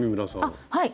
はい。